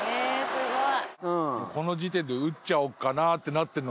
「すごい！」